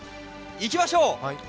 行きましょう。